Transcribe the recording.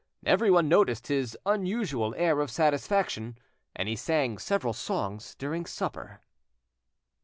Everyone noticed his unusual air of satisfaction, and he sang several songs during supper.